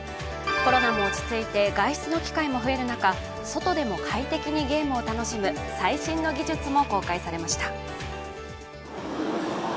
コロナも落ち着いて外出の機会も増える中、外でも快適にゲームを楽しむ最新の技術も公開されました。